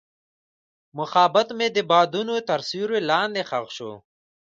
محبت مې د بادونو تر سیوري لاندې ښخ شو.